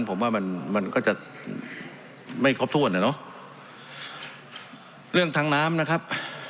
ผมว่ามันมันก็จะไม่ครบถ้วนอ่ะเนอะเรื่องทางน้ำนะครับ